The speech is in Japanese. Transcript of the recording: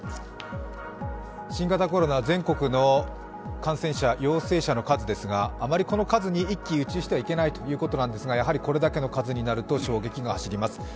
新型コロナ、全国の感染者、陽性者の数ですが、あまりこの数に一喜一憂してはいけないということなんですが、やはりこれだけの数になると衝撃が走ります。